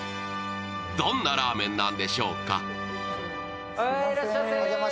どんなラーメンなんでしょうか。